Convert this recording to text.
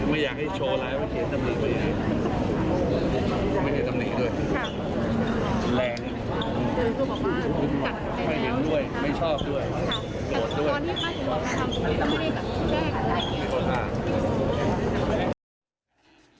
ไม่เห็นด้วย